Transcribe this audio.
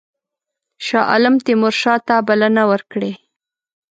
شاه عالم تیمورشاه ته بلنه ورکړې.